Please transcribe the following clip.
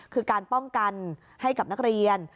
คือการป้องกันให้กับนักเรียน